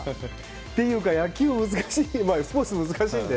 っていうか野球、スポーツは難しいので。